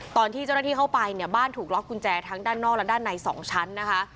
ตอนที่เจ้าหน้าที่เข้าไปเนี่ยบ้านถูกล็อกกุญแจทั้งด้านนอกและด้านใน๒ชั้นนะคะ